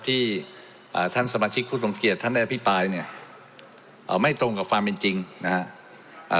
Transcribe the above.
ที่อ่าท่านสมาชิกผู้ทรงเกียจท่านได้อภิปรายเนี่ยเอ่อไม่ตรงกับความเป็นจริงนะฮะอ่า